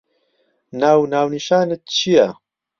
ناو و ناونیشانت چییە؟